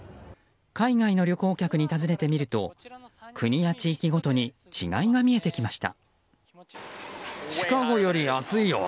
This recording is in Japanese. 海外の旅行客に尋ねてみると国や地域ごとに違いが見えてきました。